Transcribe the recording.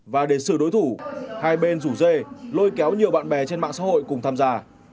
và để xử đối thủ hai bên rủ dê lôi kéo nhiều bạn bè trên mạng xã hội cùng tham gia